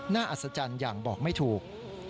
อัศจรรย์อย่างบอกไม่ถูก